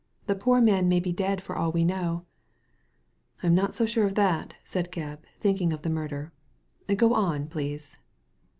The poor man may be dead for all we know.'* " I'm not so sure of that," said Gebb, thinking of the murder. Go on, please."